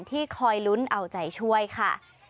ที่คอยลุ้นเอาใจช่วยค่ะ